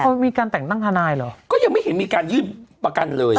พอมีการแต่งตั้งทนายเหรอก็ยังไม่เห็นมีการยื่นประกันเลย